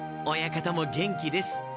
親方も元気です。